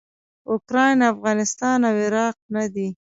اوکراین افغانستان او عراق نه دي.